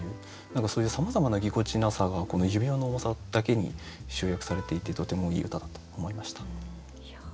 何かそういうさまざまなぎこちなさがこの指輪の重さだけに集約されていてとてもいい歌だと思いました。